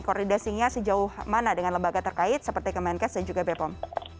koordinasinya sejauh mana dengan lembaga terkait seperti kemenkes dan juga bepom